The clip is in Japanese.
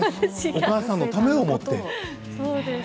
お母さんのためを思って。